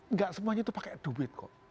nggak semuanya itu pakai duit kok